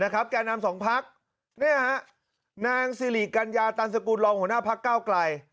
แก่นำสองพักนางสิริกัญญาตันสกุลรองหัวหน้าพักเก้าไกล